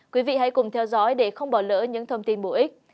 quý vị hãy cùng theo dõi để không bỏ lỡ những thông tin bổ ích